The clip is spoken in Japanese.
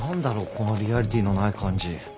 このリアリティーのない感じ。